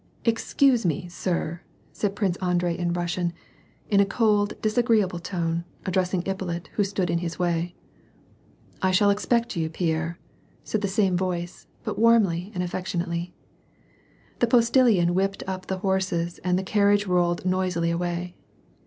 " Excuse me, sir," said Prince Andrei in Russian, in a cold, disagreeable tone, addressing Ippolit who stood in his way. " I shall expect you, Pierre," said the same voice, but warmly and affectionately. The postillion whipped up the horses and the carriage rolled noisily away.